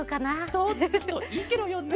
そういいケロよね。